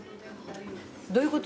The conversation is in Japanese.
どういうこと？